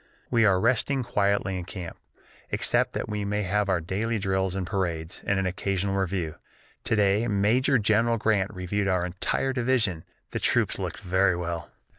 We are resting quietly in camp, except that we have our daily drills and parades and an occasional review. To day Major General Grant reviewed our entire division; the troops looked very well."